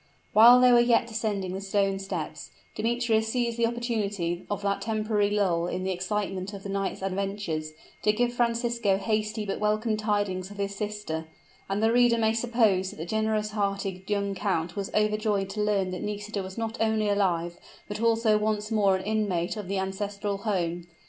While they were yet descending the stone stairs, Demetrius seized the opportunity of that temporary lull in the excitement of the night's adventures, to give Francisco hasty but welcome tidings of his sister; and the reader may suppose that the generous hearted young count was overjoyed to learn that Nisida was not only alive, but also once more an inmate of the ancestral home.